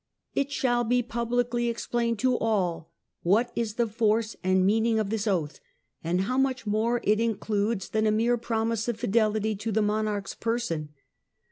" It shall be publicly explained to all what is the force and meaning of this oath, and how much more it includes than a mere promise of fidelity to the monarch's person.